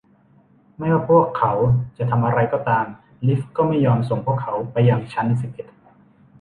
ไม่ว่าพวกเขาจะทำอะไรก็ตาม ลิฟต์ก็ไม่ยอมส่งพวกเขาไปยังชั้นสิบเอ็ด